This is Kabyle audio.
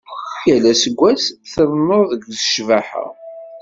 Yal aseggas trennuḍ g ccbaḥa.